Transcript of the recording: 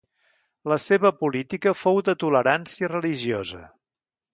La seva política fou de tolerància religiosa.